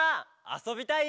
あそびたい！